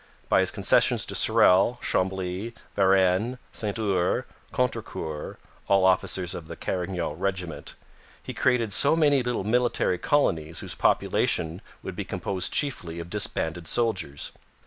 By his concessions to Sorel, Chambly, Varennes, Saint Ours, Contrecoeur all officers of the Carignan regiment he created so many little military colonies whose population would be composed chiefly of disbanded soldiers.